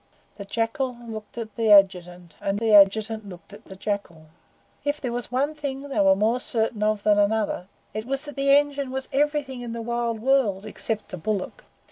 The Jackal looked at the Adjutant and the Adjutant looked at the Jackal. If there was one thing they were more certain of than another, it was that the engine was everything in the wide world except a bullock.